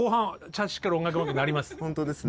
本当ですね。